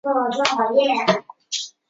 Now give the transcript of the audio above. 晋朝南朝沿置。